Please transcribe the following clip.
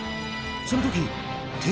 その時。